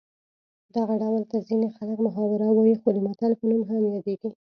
دغه ډول ته ځینې خلک محاوره وايي خو د متل په نوم هم یادیږي